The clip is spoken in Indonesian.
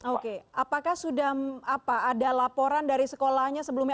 oke apakah sudah ada laporan dari sekolahnya sebelumnya